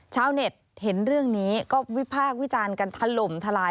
ชาวเน็ตเห็นเรื่องนี้ก็วิพากษ์วิจารณ์กันถล่มทลาย